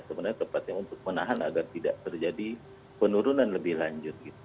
sebenarnya tempatnya untuk menahan agar tidak terjadi penurunan lebih lanjut